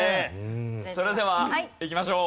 それではいきましょう。